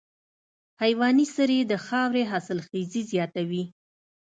حیواني سرې د خاورې حاصلخېزي زیاتوي.